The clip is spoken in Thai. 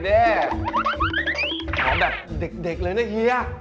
ถามแบบเด็กเลยนะเฮีย